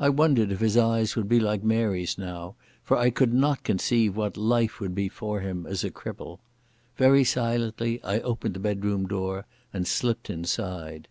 I wondered if his eyes would be like Mary's now, for I could not conceive what life would be for him as a cripple. Very silently I opened the bedroom door and slipped inside.